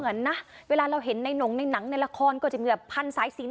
เมื่อเห็นในหมุนนะหนังละครก็จะมีแบบพันทิ้งไฟซั่น